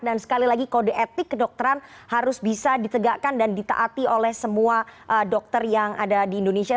dan sekali lagi kode etik kedokteran harus bisa ditegakkan dan ditaati oleh semua dokter yang ada di indonesia